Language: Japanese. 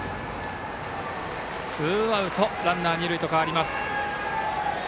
ツーアウトランナー、二塁と変わります。